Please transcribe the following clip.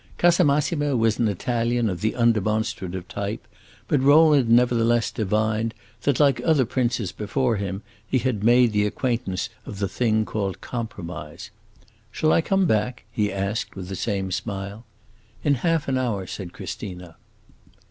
Casamassima was an Italian of the undemonstrative type, but Rowland nevertheless divined that, like other princes before him, he had made the acquaintance of the thing called compromise. "Shall I come back?" he asked with the same smile. "In half an hour," said Christina.